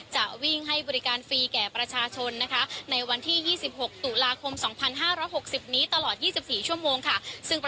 จะวิ่งให้บริการฟรีแก่ประชาชน